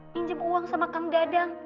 pinjam uang sama kang dadang